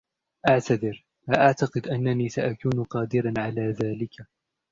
أعتذر ، لا أعتقد أنني سأكون قادراً على ذلك.